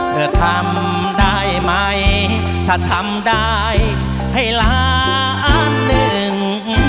เธอทำได้ไหมถ้าทำได้ให้ล้านอันหนึ่ง